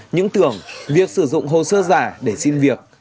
những tưởng việc sử dụng hồ sơ giả để xin việc